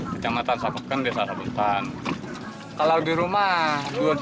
kecamatan sapeken desa sabuntan kalau di rumah rp dua puluh delapan